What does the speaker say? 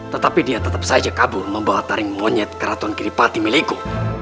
tetapi dia tetap saja kabur membawa taring monyet ke ratuan giripati milikku